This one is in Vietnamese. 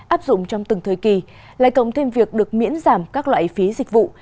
áp dụng trong từng thời kỳ lại cộng thêm việc được miễn giảm các loại phí dịch vụ